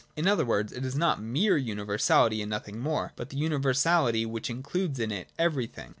In other words, it is not a mere universality and nothing more, but the univ^sality which includes in it everything.